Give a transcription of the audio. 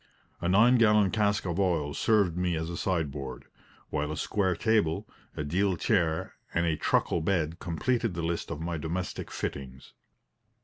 A nine gallon cask of oil served me as a sideboard; while a square table, a deal chair and a truckle bed completed the list of my domestic fittings.